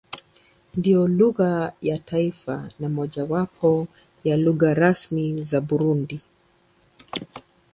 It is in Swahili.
Ndiyo lugha ya taifa na mojawapo ya lugha rasmi za Burundi.